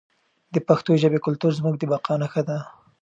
د پښتو ژبې کلتور زموږ د بقا نښه ده.